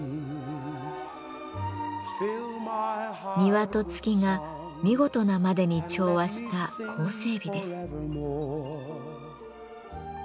庭と月が見事なまでに調和した構成美です。